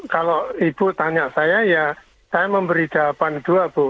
kalau ibu tanya saya ya saya memberi jawaban dua bu